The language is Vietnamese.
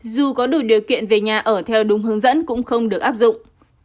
dù có đủ điều kiện về nhà ở theo đúng hướng dẫn cũng không được áp dụng